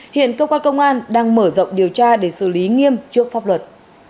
hiện công an đang mở rộng điều tra để xử lý nghiêm trước pháp luật